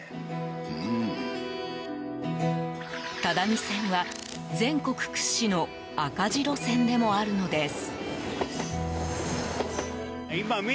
只見線は、全国屈指の赤字路線でもあるのです。